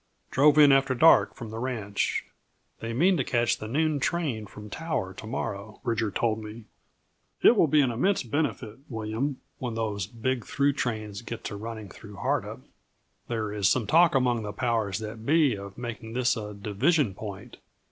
Drove in after dark from the ranch. They mean to catch the noon train from Tower to morrow, Bridger told me. It will be an immense benefit, William, when those big through trains get to running through Hardup. There is some talk among the powers that be of making this a division point.